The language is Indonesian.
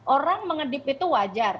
orang mengedip itu wajar